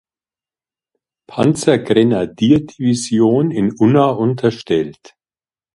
Panzergrenadierdivision in Unna unterstellt.